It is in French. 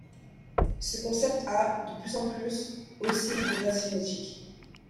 Ce concept a, de plus en plus, aussi des bases génétiques.